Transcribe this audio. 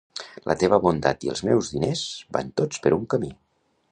La teva bondat i els meus diners van tots per un camí.